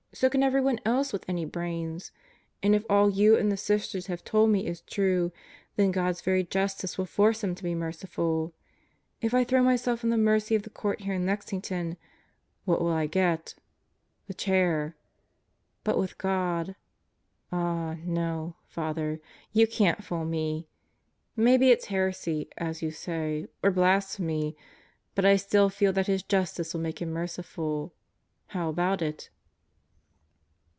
So can everyone else with any brains. And if all you and the Sisters have told me is true, then God's very Justice will force Him to be merciful. If I throw myself on the mercy of the Court here in Lexington, what will I Sentenced to Birth 39 get? The Chair. But with God ... Ah, no, Father; you can't fool me. Maybe it's heresy, as you say, or blasphemy, but I still feel that His justice will make Him merciful. How about it?"